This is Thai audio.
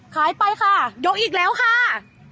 ขายไปค่ะยกอีกแล้วค่ะ